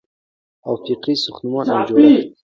او فکري ساختمان او جوړښت